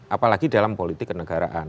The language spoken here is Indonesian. apalagi dalam politik kenegaraan